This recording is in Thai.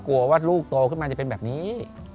กลัวว่าลูกโตขึ้นมาจะเป็นแบบนี้